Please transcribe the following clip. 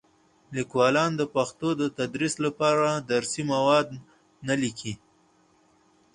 لیکوالان د پښتو د تدریس لپاره درسي مواد نه لیکي.